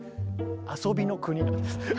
遊びの国なんです。